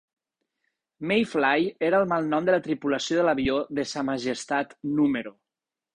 "Mayfly" era el malnom de la tripulació de l'avió de Sa Majestat número